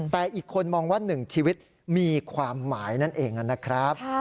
แต่อีกคนมองว่า๑ชีวิตมีความหมายนั่นเองนะครับ